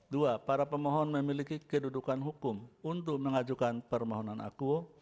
dua para pemohon memiliki kedudukan hukum untuk mengajukan permohonan akuo